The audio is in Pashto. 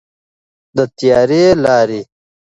د تیارې لارې.